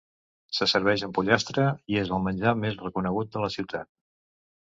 Se serveix amb pollastre, i és el menjar més reconegut de la ciutat.